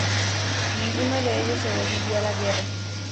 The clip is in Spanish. Ninguno de ellos sobrevivió a la guerra.